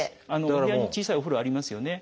お部屋に小さいお風呂ありますよね